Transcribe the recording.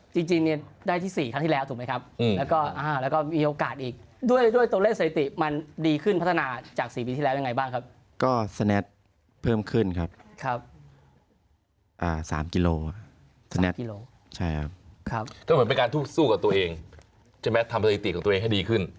จะแมททำสถิติของตัวเองให้ดีขึ้น